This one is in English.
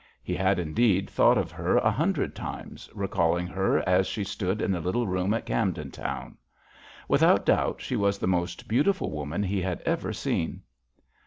He had indeed thought of her a hundred times, recalling her as she stood in the little room in Camden Town. Without doubt she was the most beautiful woman he had ever seen.